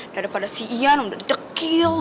daripada si ian udah dekil